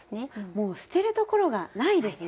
もう捨てるところがないですね。